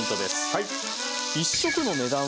はい。